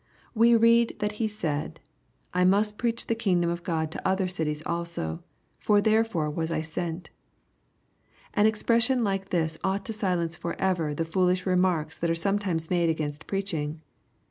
We read that He said, " I must preach the kingdom of God to other cities also : for therefore was I sent/' An expression like this ought to silence forever the foolish remarks that are sometimes made against preaching.